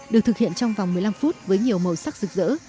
được thực hiện trong vòng một mươi năm phút với nhiều màu sắc rực rỡ